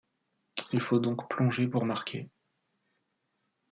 Il faut donc plonger pour marquer.